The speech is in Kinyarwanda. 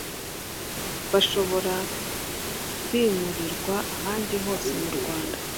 bashobora kwimurirwa ahandi hose mu Rwanda